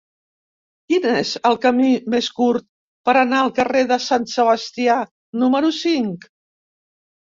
Quin és el camí més curt per anar al carrer de Sant Sebastià número cinc?